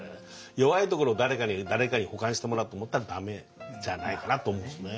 弱いところを誰かに補完してもらおうと思ったら駄目じゃないかなと思うんですね。